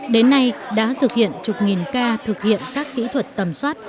đến nay đã thực hiện chục nghìn ca thực hiện các kỹ thuật tầm soát